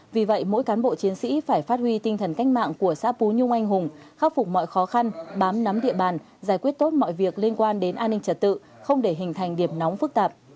vì vậy mỗi cán bộ chiến sĩ phải phát huy tinh thần cách mạng của xã pú nhung anh hùng khắc phục mọi khó khăn bám nắm địa bàn giải quyết tốt mọi việc liên quan đến an ninh trật tự không để hình thành điểm nóng phức tạp